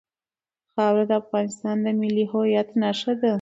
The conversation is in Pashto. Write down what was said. خاوره د افغانستان د ملي هویت نښه ده.